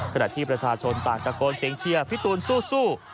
ขณะที่ประชาชนต่างตะโกนเสียงเชียร์พี่ตูนสู้